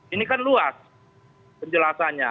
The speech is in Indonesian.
ini kan luas penjelasannya